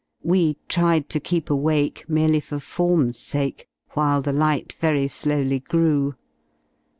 We tried to keep awake merely for form's sake while the light very slowly grew.